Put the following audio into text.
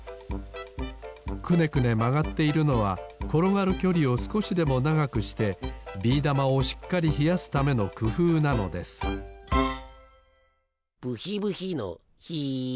くねくねまがっているのはころがるきょりをすこしでもながくしてビーだまをしっかりひやすためのくふうなのですブヒブヒのヒ。